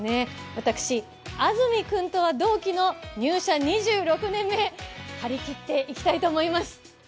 私、安住君とは同期の入社２６年目、張り切っていきたいと思います。